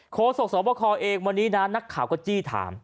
โค้ดส่งสอบประคองเองวันนี้นักข่าวก็จี้ถาม